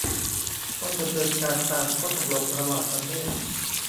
ต้องดำเนินการตามข้อตกลงระหว่างประเทศ